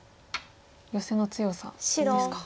ヨセの強さですか。